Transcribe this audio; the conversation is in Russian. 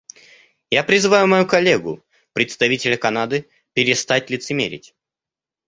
Я призываю мою коллегу, представителя Канады, перестать лицемерить.